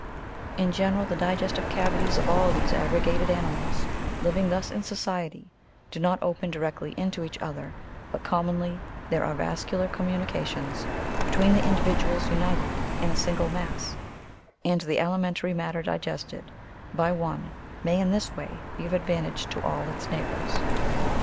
In general the digestive cavities of all these aggregated animals, living thus in society, do not open directly into each other, but commonly there are vascular communications between the individuals united in a single mass, and the alimentary matter digested by one may in this way be of advantage to all its neighbours.